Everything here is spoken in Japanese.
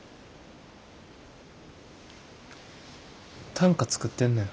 短歌作ってんねん。